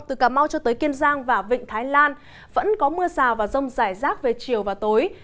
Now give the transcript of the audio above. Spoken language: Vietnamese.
từ cà mau cho tới kiên giang và vịnh thái lan vẫn có mưa rào và rông rải rác về chiều và tối